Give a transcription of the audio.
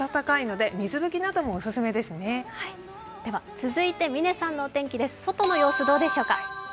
続いて嶺さんのお天気です。